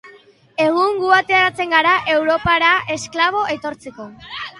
Egun gu ateratzen gara Europara esklabo etortzeko.